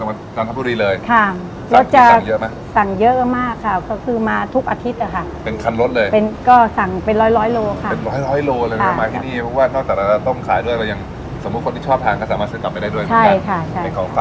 เส้นจันทบุรีแน่นอนนะครับใช่ค่ะเส้นเล็กนะครับใช่ค่ะเป็นเส้นกลางตัวนี้เส้นเล็ก